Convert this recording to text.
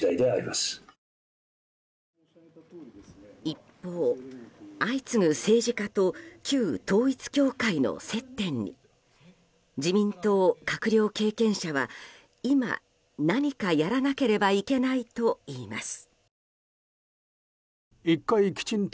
一方、相次ぐ政治家と旧統一教会との接点に自民党閣僚経験者は今、何かやらなければいけないといいます。